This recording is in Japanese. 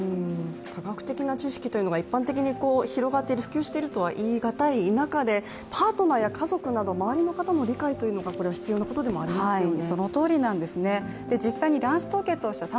科学的な知識というのが一般的に広がって普及しているとは言い難い中で、パートナーや家族など、周りの方の理解というのが、これは必要なことでもありますね。